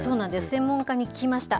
専門家に聞きました。